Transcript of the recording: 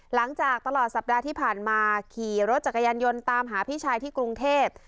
หลังจากตลอดสัปดาห์ที่ผ่านมาขี่รถจักรยานยนต์ตามหาพี่ชายที่กรุงเทพ